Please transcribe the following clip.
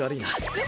え？